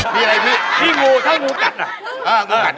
มีอะไรพี่ที่งูเท่างูกัด